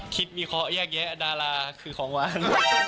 คิดมีเคราะห์แยกเยอะดาราคือคองวัน